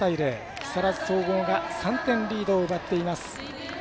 木更津総合が３点リードを奪っています。